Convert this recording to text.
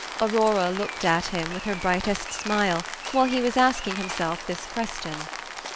Aurora looked at him with her brightest smile while he was asking himself this question.